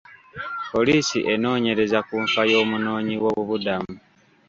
Poliisi enoonyereza ku nfa y'omunoonyi w'obubudamu.